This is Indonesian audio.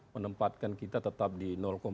menempatkan kita tetap di